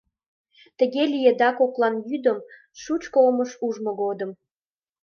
Тыге лиеда коклан йӱдым шучко омым ужмо годым.